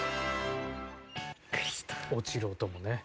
落ちる音もね。